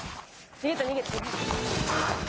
逃げた、逃げた。